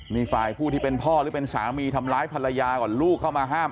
นี่ฝ่ายผู้ที่เป็นพ่อหรือเป็นสามีทำร้ายภรรยาก่อนลูกเข้ามาห้าม